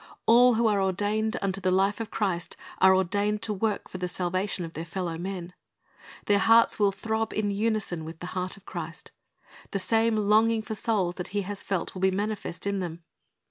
All who are ordained unto the life of Christ are ordained to work for the salvation of their fellow men. Their hearts will throb in unison with the heart of Christ. The same longing for souls that He has felt will be manifest in them.